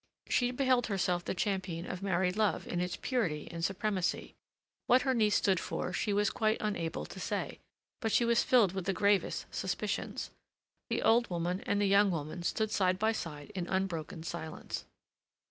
She beheld herself the champion of married love in its purity and supremacy; what her niece stood for she was quite unable to say, but she was filled with the gravest suspicions. The old woman and the young woman stood side by side in unbroken silence.